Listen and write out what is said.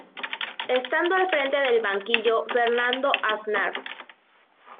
Estando al frente del banquillo Fernando Aznar.